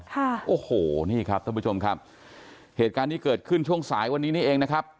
ค่ะโอ้โหนี่ครับท่านผู้ชมครับเหตุการณ์นี้เกิดขึ้นช่วงสายวันนี้นี่เองนะครับ